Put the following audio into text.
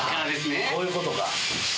こういうことか。